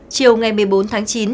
chiều ngày một mươi bốn tháng chín